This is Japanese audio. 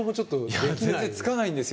全然、できないんですよ。